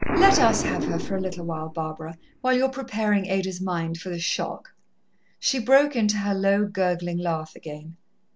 "Let us have her for a little while, Barbara, while you're preparing Ada's mind for the shock." She broke into her low, gurgling laugh again.